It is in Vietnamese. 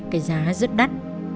cái giá rất đắt